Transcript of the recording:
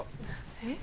えっ？